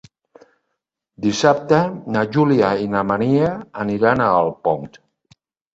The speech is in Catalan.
Dissabte na Júlia i na Maria aniran a Alpont.